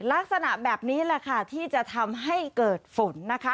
ลักษณะแบบนี้แหละค่ะที่จะทำให้เกิดฝนนะคะ